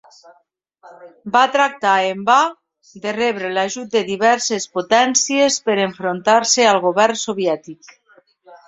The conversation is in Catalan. Va tractar en va de rebre l'ajut de diverses potències per enfrontar-se al Govern soviètic.